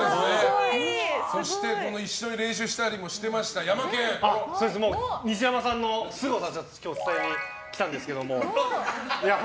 そして、一緒に練習したりもしてた西山さんのすごさを今日は伝えに来たんですけど。